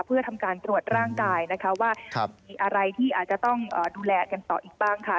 เพื่อทำการตรวจร่างกายนะคะว่ามีอะไรที่อาจจะต้องดูแลกันต่ออีกบ้างค่ะ